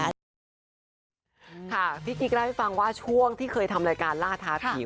พี่กิ๊กเล่าให้ฟังว่าช่วงที่เคยทำรายการล่าท้าผี